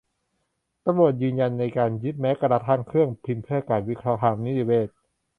ตำรวจยืนยันในการยึดแม้กระทั่งเครื่องพิมพ์เพื่อการวิเคราะห์ทางนิติเวช